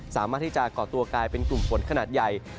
สามารถที่จะก่อตัวกลายเป็นกลุ่มฝนขนาดใหญ่